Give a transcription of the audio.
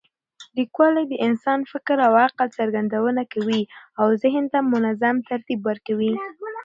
لیکوالی د انساني فکر او عقل څرګندونه کوي او ذهن ته منظم ترتیب ورکوي.